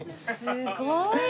すごいね。